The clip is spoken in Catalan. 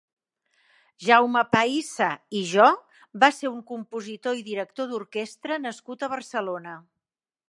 Jaume Pahissa i Jo va ser un compositor i director d'orquestra nascut a Barcelona.